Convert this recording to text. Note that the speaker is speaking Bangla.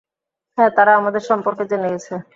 হ্যাঁ, তারা আমাদের সম্পর্কে জেনে গেছে।